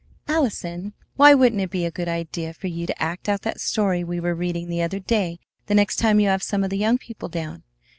"Allison, why wouldn't it be a good idea for you to act out that story we were reading the other day the next time you have some of the young people down?